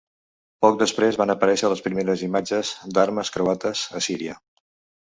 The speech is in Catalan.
Poc després van aparèixer les primeres imatges d’armes croates a Síria.